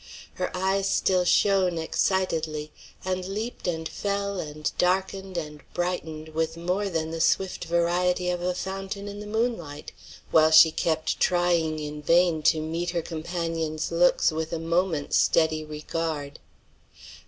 Her eyes still shone exaltedly, and leaped and fell and darkened and brightened with more than the swift variety of a fountain in the moonlight, while she kept trying in vain to meet her companion's looks with a moment's steady regard.